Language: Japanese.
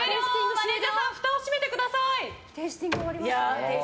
マネジャーさんふたを閉めてください。